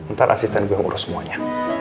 ntar asisten juga urus semuanya